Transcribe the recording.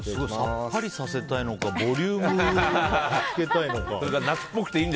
さっぱりさせたいのかボリュームつけたいのか。